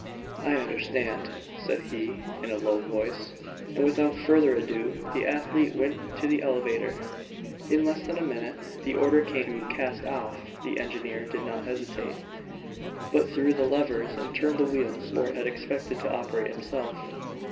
"I understand," said he, in a low voice; and without further ado the athlete went to the elevator. In less than a minute the order came to "cast off." The engineer did not hesitate, but threw the levers and turned the wheels which Fort had expected to operate himself.